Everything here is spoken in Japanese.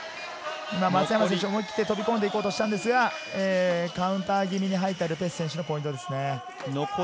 松山選手が思い切って飛び込んでいこうとしたんですが、カウンター気味に入ったル・ペシュ選手のポイントです。